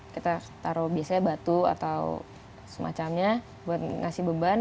kita taruh biasanya batu atau semacamnya buat ngasih beban